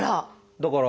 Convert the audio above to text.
だから。